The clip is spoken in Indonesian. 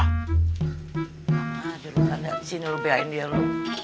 gimana dulu kan gak disini lo biarin dia lo